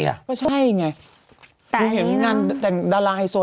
ถ้าเจ๊มันไม่ได้